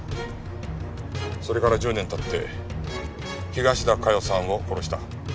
それから１０年経って東田加代さんを殺した。